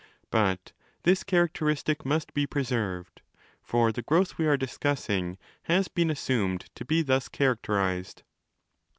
But this characteristic! must be preserved: for the growth we are discussing has been assumed to be thus characterized.